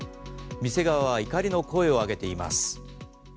店側は怒りの声を上げています。